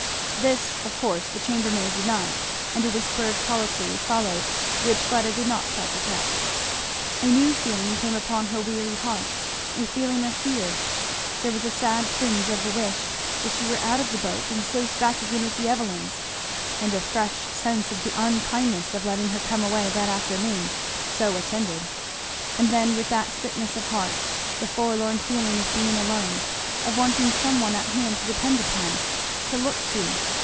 This of course the chambermaid denied, and a whispered colloquy followed which Fleda did not try to catch. A new feeling came upon her weary heart, a feeling of fear. There was a sad twinge of a wish that she were out of the boat and safe back again with the Evelyns, and a fresh sense of the unkindness of letting her come away that afternoon so attended. And then with that sickness of heart the forlorn feeling of being alone, of wanting some one at hand to depend upon, to look to.